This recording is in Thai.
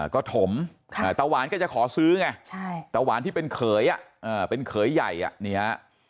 ก็ถมตะวานก็จะขอซื้อไงตะวานที่เป็นเขยเป็นเขยใหญ่